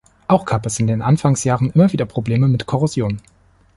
Auch gab es in den Anfangsjahren immer wieder Probleme mit Korrosion.